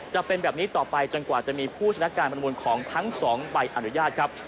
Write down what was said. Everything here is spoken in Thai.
จะเป็นแบบนี้ต่อไปจนกว่าจะมีผู้ชนะการประมูลของทั้ง๒ใบอนุญาตครับ